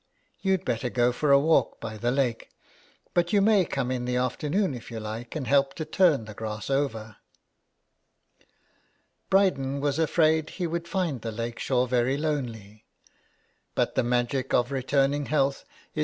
You'd better go for a walk by the lake, but you may come in the afternoon if you like and help to turn the grass over." Bryden was afraid he would find the lake shore very lonely, but the magic of returning health is 162 HOME SICKNESS.